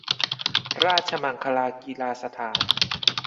ราชมังคลากีฬาสถาน